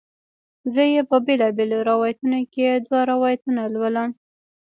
زه یې په بیلابیلو روایتونو کې دوه روایتونه لولم.